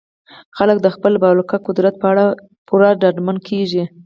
خلک د خپل بالقوه قدرت په اړه پوره ډاډمن کیږي.